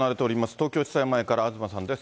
東京地裁前から東さんです。